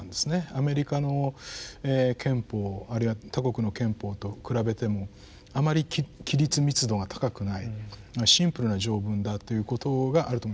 アメリカの憲法あるいは他国の憲法と比べてもあまり規律密度が高くないシンプルな条文だということがあると思います。